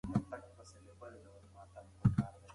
تاسې باید د خپلو نظریاتو ملاتړ وکړئ چې د علم د پروسې ارزښت لري.